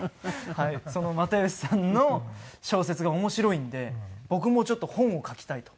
その又吉さんの小説が面白いんで僕もちょっと本を書きたいと。